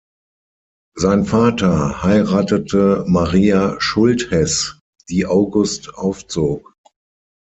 Sein Vater heiratete Maria Schulthess, die August aufzog.